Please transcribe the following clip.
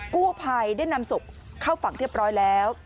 กู้ภัยได้นำศพเข้าฝั่งเรียบร้อยแล้ว